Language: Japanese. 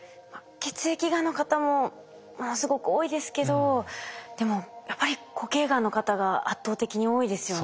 血液がんの方もものすごく多いですけどでもやっぱり固形がんの方が圧倒的に多いですよね。